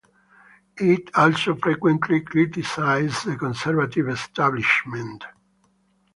It also frequently criticized the conservative establishment.